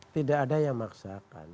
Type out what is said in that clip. tidak ada yang memaksakan